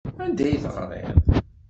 Anda i teɣriḍ?